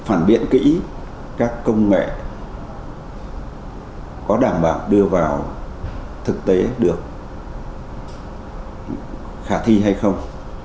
phản biện kỹ các công nghệ có đảm bảo đưa vào thực tế được khả thi hay không